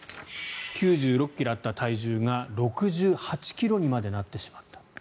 ９６ｋｇあった体重が６８ｋｇにまでなってしまった。